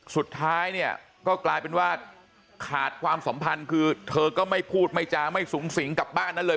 สุดท้ายเนี่ยก็กลายเป็นว่าขาดความสัมพันธ์คือเธอก็ไม่พูดไม่จาไม่สูงสิงกับบ้านนั้นเลย